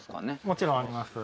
もちろんあります。